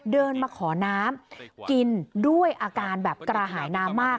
เดินมาขอน้ำกินด้วยอาการแบบกระหายน้ำมาก